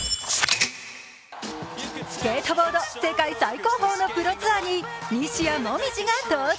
スケートボード世界最高峰のプロツアーに西矢椛が登場。